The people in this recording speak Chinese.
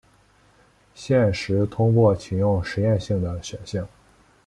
现时通过启用实验性的选项。